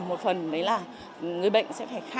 một phần là người bệnh sẽ phải khám chữa